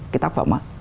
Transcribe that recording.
cái tác phẩm ấy